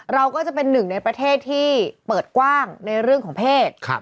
เราก็จะเป็นหนึ่งในประเทศที่เปิดกว้างในเรื่องของเพศ